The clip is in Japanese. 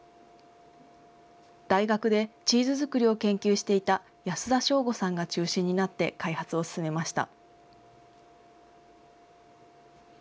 大学でチーズ作りを研究していた安田翔吾さんが中心になって開発を進めました。